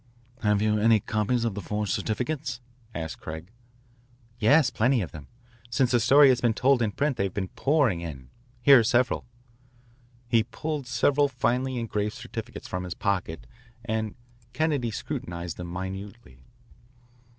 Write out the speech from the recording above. "Have you any copies of the forged certificates?" asked Craig. "Yes, plenty of them. Since the story has been told in print they have been pouring in. Here are several." He pulled several finely engraved certificates from his pocket and Kennedy scrutinised them minutely.